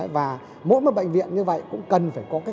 và mỗi một bệnh viện như vậy cũng cần phải có kháng sinh